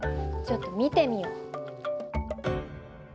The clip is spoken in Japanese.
ちょっと見てみよう。